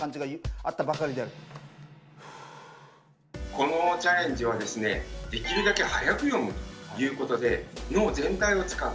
このチャレンジはですねできるだけ速く読むということで脳全体を使う。